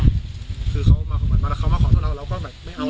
คือเขามาขอโทษแล้วเราก็แบบไม่เอาแล้ว